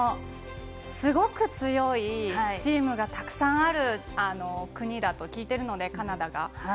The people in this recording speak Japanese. すごく強いチームがたくさんある国だと聞いてるので、カナダが。